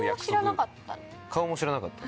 顔も知らなかった。